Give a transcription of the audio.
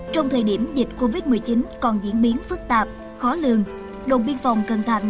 trong thời điểm dịch covid một mươi chín còn diễn biến phức tạp khó lường đồng biên phòng cần thạnh